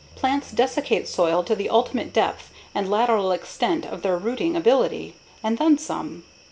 Plants desiccate soil to the ultimate depth and lateral extent of their rooting ability, and then some.